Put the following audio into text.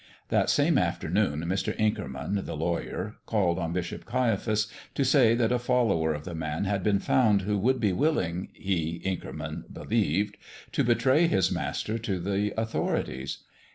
That same afternoon Mr. Inkerman, the lawyer, called on Bishop Caiaphas to say that a follower of the Man had been found who would be willing, he, Inkerman, believed, to betray his Master to the authorities.